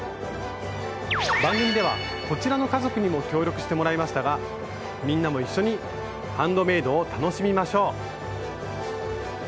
番組ではこちらの家族にも協力してもらいましたがみんなも一緒に「ハンドメイド」を楽しみましょう！